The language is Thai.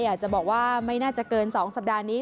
อยากจะบอกว่าไม่น่าจะเกิน๒สัปดาห์นี้